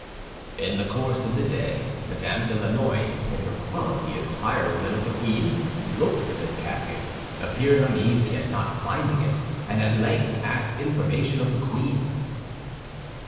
"In the course of the day Madame de Lannoy, in her quality of tire woman of the queen, looked for this casket, appeared uneasy at not finding it, and at length asked information of the queen."